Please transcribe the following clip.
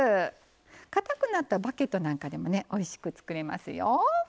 かたくなったバゲットなんかでもおいしく作れますよ。